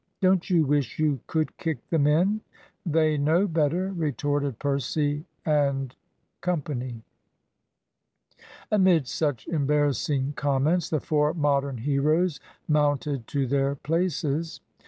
"Don't you wish you could kick them in? They know better," retorted Percy and Co. Amid such embarrassing comments, the four Modern heroes mounted to their places.